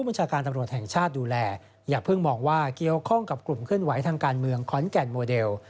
อย่าเพิ่งมองว่าเกี่ยวข้องกับกลุ่มขึ้นไหวทางการเมืองค้อนแก่นโมเดล